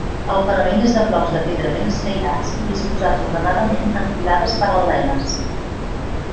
El parament és de blocs de pedra ben escairats i disposats ordenadament en filades paral·leles.